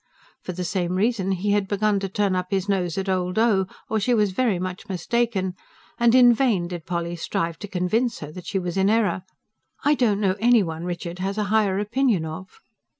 For the same reason he had begun to turn up his nose at "Old O.," or she was very much mistaken; and in vain did Polly strive to convince her that she was in error. "I don't know anyone Richard has a higher opinion of!"